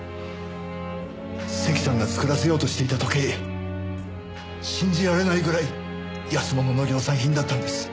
関さんが作らせようとしていた時計信じられないぐらい安物の量産品だったんです。